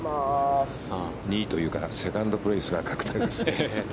２位というかセカンドプレースは確定ですね。